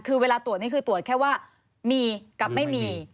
คือเวลาตรวจนี่คือตรวจแค่ว่ามีกับไม่มี